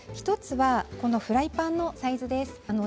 １つはこのフライパンのサイズです。